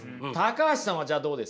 橋さんはじゃあどうですか？